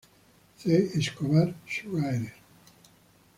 C. Escobar Schaerer.